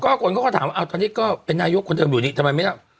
ก็คนก็ถามว่าอ่าตอนนี้ก็เป็นนาโยคคนเดิมอยู่อยู่ดิ